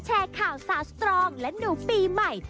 แชร์ข่าวสาวสตรองและหนูปีใหม่